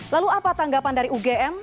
lalu apa tanggapan dari ugm